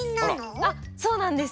あっそうなんです。